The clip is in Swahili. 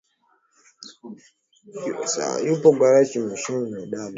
Yupo Garrincha mshindi wa medali mbili za kombe la dunia